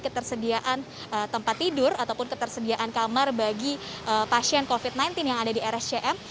ketersediaan tempat tidur ataupun ketersediaan kamar bagi pasien covid sembilan belas yang ada di rscm